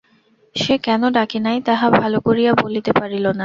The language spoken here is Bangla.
সে কেন ডাকে নাই, তাহা ভালো করিয়া বলিতে পারিল না।